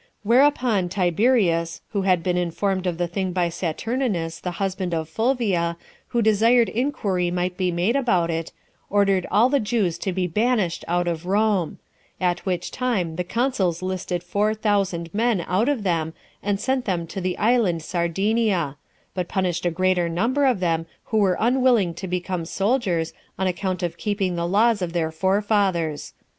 Whereupon Tiberius, who had been informed of the thing by Saturninus, the husband of Fulvia, who desired inquiry might be made about it, ordered all the Jews to be banished out of Rome; at which time the consuls listed four thousand men out of them, and sent them to the island Sardinia; but punished a greater number of them, who were unwilling to become soldiers, on account of keeping the laws of their forefathers.